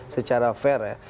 secara fair ya